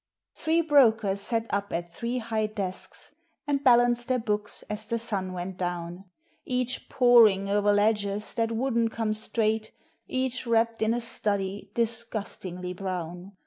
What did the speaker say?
Three brokers sat up at three high desks, And balanced their books as the sun went down; Each "poring" o'er ledgers that wouldn't come straight, Each wrapped in a study disgustingly brown.